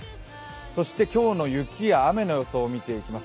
そして今日の雪や雨の予想を見ていきます。